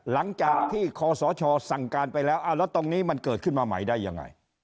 หลังจากที่คศสั่งการไปแล้วแล้วตรงนี้มันเกิดขึ้นมาใหม่ได้ยังไง